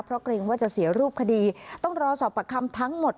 เพราะเกรงว่าจะเสียรูปคดีต้องรอสอบประคำทั้งหมด